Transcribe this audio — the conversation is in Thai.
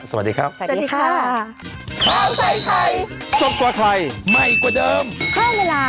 สวัสดีครับสวัสดีค่ะ